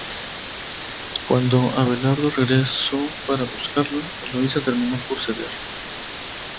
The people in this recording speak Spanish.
Cuando Abelardo regresó para buscarla, Eloísa terminó por ceder.